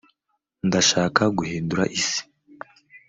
ndashaka guhindura isi